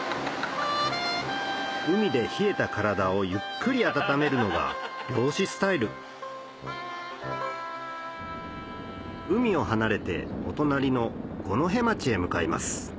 海で冷えた体をゆっくり温めるのが漁師スタイル海を離れてお隣の五戸町へ向かいます